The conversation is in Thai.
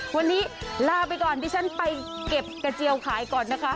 วันนี้ลาไปก่อนดิฉันไปเก็บกระเจียวขายก่อนนะคะ